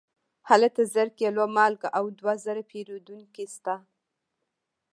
هلته زر کیلو مالګه او دوه زره پیرودونکي شته.